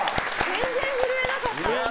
全然震えなかった。